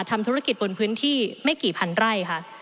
ทำธุรกิจบนพื้นที่ไม่กี่พันไร่ค่ะ